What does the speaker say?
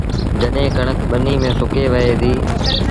جڏهيݩ ڪڻڪ ٻنيٚ ميݩ سُڪي وهي ديٚ